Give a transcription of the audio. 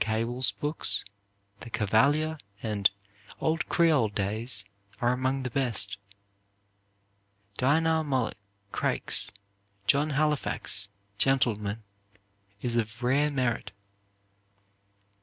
Cable's books, "The Cavalier," and "Old Creole Days" are among the best. Dinah Mulock Craik's "John Halifax, Gentleman," is of rare merit.